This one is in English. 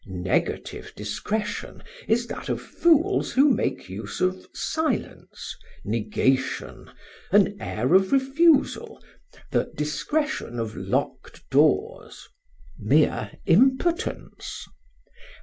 Negative discretion is that of fools who make use of silence, negation, an air of refusal, the discretion of locked doors mere impotence!